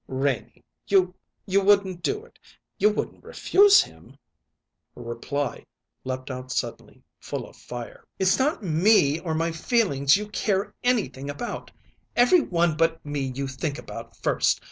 "Renie; you you wouldn't do it you wouldn't refuse him?" Her reply leaped out suddenly, full of fire: "It's not me or my feelings you care anything about. Every one but me you think about first.